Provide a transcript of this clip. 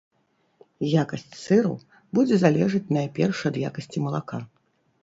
Якасць сыру будзе залежаць найперш ад якасці малака.